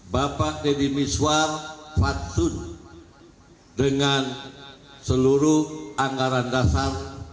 bapak deddy miswar fatsun dengan seluruh anggaran dasar